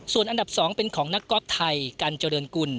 ส่วนอันดับ๒เป็นของนักกอล์ฟไทยกันเจริญกุล